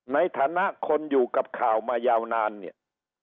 ในฐานะคนอยู่กับข่าวมายาวนานเนี่ย